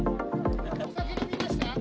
お酒、飲みました？